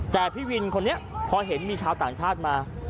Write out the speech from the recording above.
แต่พี่วินคนนี้พอเห็นมีชาวต่างชาติมา